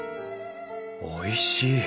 おいしい。